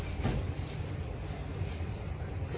สวัสดีครับ